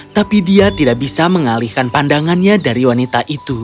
tapi dia tidak bisa mengalihkan pandangannya dari wanita itu